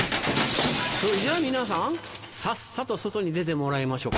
そいじゃあ皆さんさっさと外に出てもらいましょ。